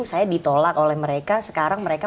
saya ditolak oleh mereka sekarang mereka